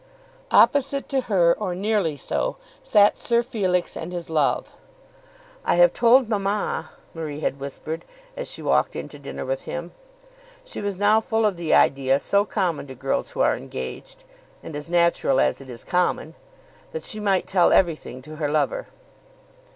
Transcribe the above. Opposite to her, or nearly so, sat Sir Felix and his love. "I have told mamma," Marie had whispered, as she walked in to dinner with him. She was now full of the idea so common to girls who are engaged, and as natural as it is common, that she might tell everything to her lover.